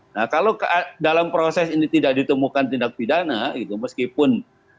nah kalau dalam proses ini tidak ditemukan tindak pidana gitu meskipun